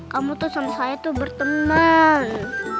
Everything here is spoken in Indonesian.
kamu tuh sama saya tuh berteman